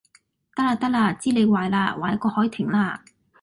得喇得喇，知你壞喇，壞過凱婷喇